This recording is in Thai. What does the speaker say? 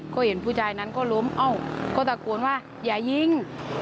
ก็เห็นผู้ชายนั้นก็ล้มเอ้าก็ตะโกนว่าอย่ายิง